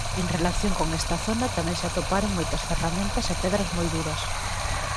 En relación con esta zona tamén se atoparon moitas ferramentas e pedras moi duras.